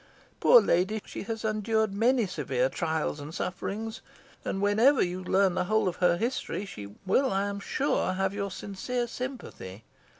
Poor lady! she has endured many severe trials and sufferings, and whenever you learn the whole of her history, she will, I am sure, have your sincere sympathy."